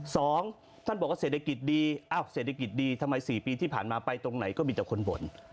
สองท่านบอกว่าเศรษฐกิจดีอ้าวเศรษฐกิจดีทำไมสี่ปีที่ผ่านมาไปตรงไหนก็มีแต่คนบ่น